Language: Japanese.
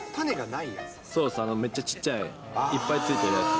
そうです、めっちゃちっちゃい、いっぱいついてるやつ。